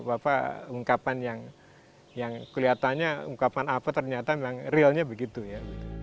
apa ungkapan yang kelihatannya ungkapan apa ternyata memang realnya begitu ya